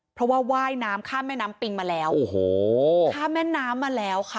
เพราะว่าว่ายน้ำข้ามแม่น้ำปิงมาแล้วโอ้โหข้ามแม่น้ำมาแล้วค่ะ